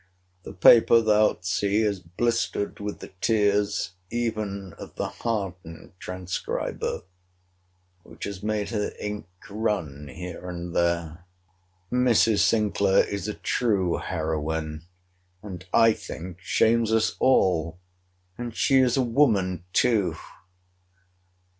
The paper, thou'lt see, is blistered with the tears even of the hardened transcriber; which has made her ink run here and there. Mrs. Sinclair is a true heroine, and, I think, shames us all. And she is a woman too!